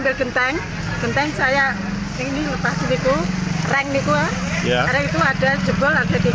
ke genteng genteng saya ini lepas itu reng reng itu ada jebol ada tiga untuk anak saya yang sini